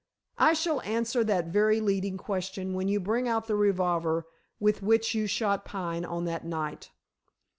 "I shall answer that very leading question when you bring out the revolver with which you shot Pine on that night."